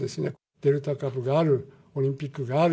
デルタ株がある、オリンピックがある。